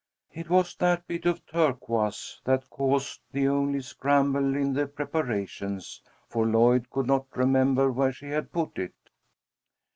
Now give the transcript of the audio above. It was that bit of turquoise that caused the only scramble in the preparations, for Lloyd could not remember where she had put it.